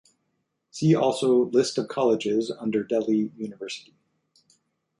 "See also List of colleges under Delhi University".